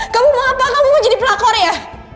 kamu mau apa kamu mau jadi pelakor ya